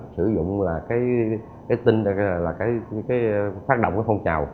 sử dụng là cái phát động phong trào